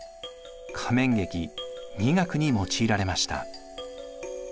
仮面劇伎楽に用いられました。